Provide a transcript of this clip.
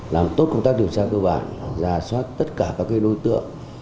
làm tốt công tác điều tra cơ bản ra soát tất cả các đối tượng